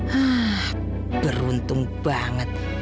hah beruntung banget